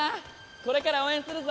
これからは応援するぞ。